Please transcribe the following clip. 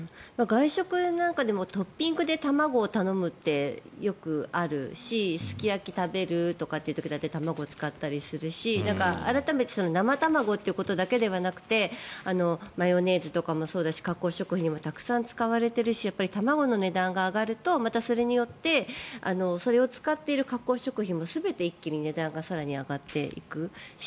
外食なんかでもトッピングで卵を頼むってよくあるしすき焼きを食べるとかという時だけ卵を使ったりするし改めて生卵ということだけではなくてマヨネーズとかもそうだし加工食品にもたくさん使われているし卵の値段が上がるとまたそれによってそれを使っている加工食品もまた一気に値段が上がっていくし